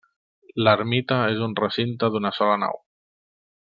L'ermita és un recinte d'una sola nau.